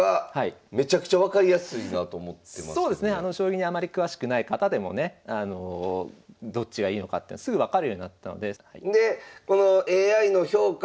将棋にあまり詳しくない方でもねどっちがいいのかってすぐ分かるようになったので。